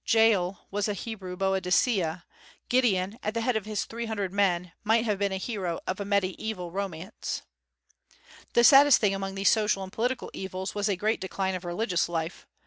Jael was a Hebrew Boadicea; Gideon, at the head of his three hundred men, might have been a hero of mediaeval romance. The saddest thing among these social and political evils was a great decline of religious life.